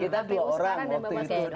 kita dua orang waktu itu